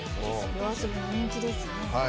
ＹＯＡＳＯＢＩも人気ですね。